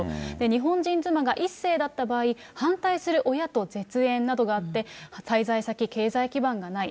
日本人妻が１世だった場合、反対する親と絶縁などがあって、滞在先、経済基盤がない。